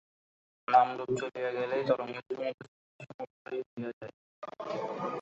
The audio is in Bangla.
নাম-রূপ চলিয়া গেলেই তরঙ্গ যে সমুদ্র ছিল, সেই সমুদ্রই হইয়া যায়।